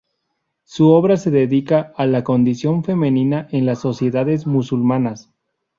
Su obra se dedica a la condición femenina en las sociedades musulmanas.